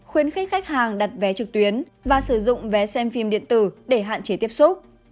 khuyến khích khách hàng đặt vé trực tuyến và sử dụng vé xem phim điện tử để hạn chế tiếp xúc